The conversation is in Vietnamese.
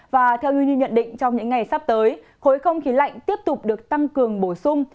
và theo như nhận định trong những ngày sắp tới khối không khí lạnh tiếp tục được tăng cường bổ sung